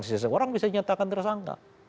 seseorang bisa dinyatakan tersangka